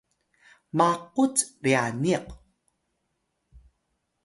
maqut ryaniq